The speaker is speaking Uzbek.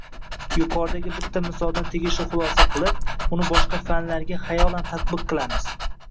Yuqoridagi bitta misoldan tegishli xulosa qilib, uni boshqa fanlarga xayolan «tatbiq» qilamiz